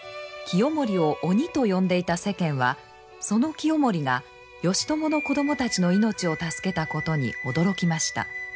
清盛を鬼と呼んでいた世間はその清盛が義朝の子供たちの命を助けたことに驚きました。